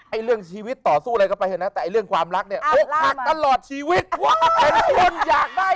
ไอ้เรื่องชีวิตต่อสู้อะไรก็ไปเท่านั้นแต่เรื่องความรักเนี่ย